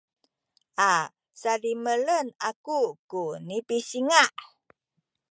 a sadimelen aku ku nipisinga’